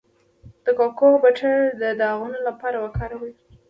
د کوکو بټر د داغونو لپاره وکاروئ